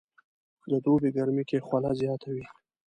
د دوبي ګرمي کې خوله زياته وي